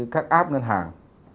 các app ngân hàng